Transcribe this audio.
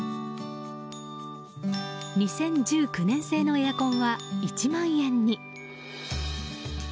２０１９年製のエアコンは１万円に。